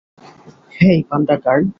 Hey, panda girl.